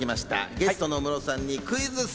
ゲストのムロさんにクイズッス。